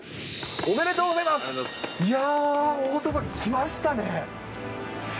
ありがとうございます。